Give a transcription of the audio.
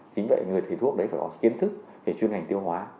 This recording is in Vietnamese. chính vậy người thầy thuốc đấy phải có kiến thức về chuyên ngành tiêu hóa